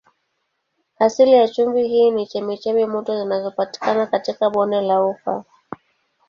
Asili ya chumvi hii ni chemchemi moto zinazopatikana katika bonde la Ufa.